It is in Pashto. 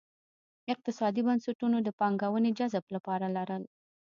اقتصادي بنسټونو د پانګونې جذب لپاره لرل.